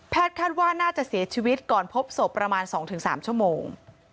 คาดว่าน่าจะเสียชีวิตก่อนพบศพประมาณ๒๓ชั่วโมง